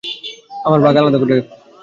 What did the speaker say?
আমার ভাগ আলাদা করে রেখো।